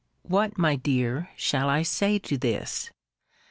What, my dear, shall I say to this?